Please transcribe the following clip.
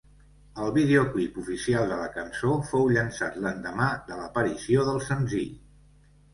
El videoclip oficial de la cançó fou llançat l'endemà de l'aparició del senzill.